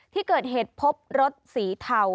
ที่เกิดเหตุพบรถสีเทา